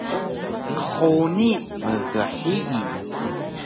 Qhuni mghiyi